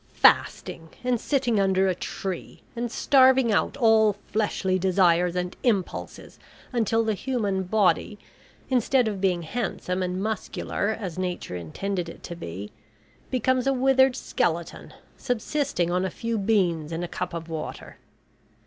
Fasting and sitting under a tree, and starving out all fleshly desires and impulses until the human body, instead of being handsome and muscular as Nature intended it to be, becomes a withered skeleton, subsisting on a few beans and a cup of water.